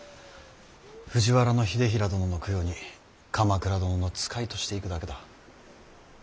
藤原秀衡殿の供養に鎌倉殿の使いとして行くだけだ。